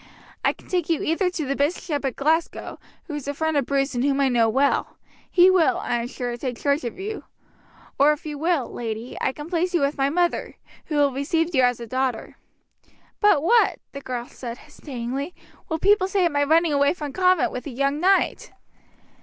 "I can take you either to the Bishop of Glasgow, who is a friend of the Bruce and whom I know well he will, I am sure, take charge of you or, if you will, lady, I can place you with my mother, who will receive you as a daughter." "But what," the girl said hesitatingly, "will people say at my running away from a convent with a young knight?"